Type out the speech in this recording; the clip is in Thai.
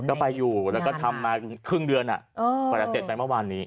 ก็ไปอยู่แล้วก็ทำมาครึ่งเดือนก็จะเสร็จไปประมาณนี้